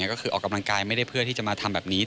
ก็คือกำลังกายไม่ได้เพื่อมาทำแบบนี้